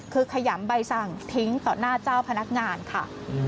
คือขยำใบสั่งทิ้งต่อหน้าเจ้าพนักงานค่ะ